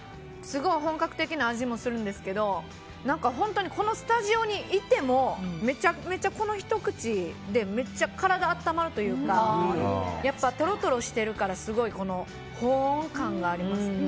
すごい本格的な味もするんですけど本当にこのスタジオにいてもめちゃめちゃこのひと口で体が温まるというかトロトロしてるから保温感がありますね。